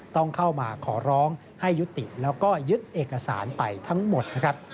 ต้องเข้ามาขอร้องให้ยุติแล้วก็ยึดเอกสารไปทั้งหมดนะครับ